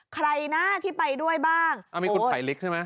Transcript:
ใครนะที่ไปด้วยบ้างโอ้โฮมีคุณภัยลิกใช่มั้ย